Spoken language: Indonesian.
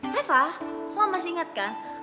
reva lo masih inget kan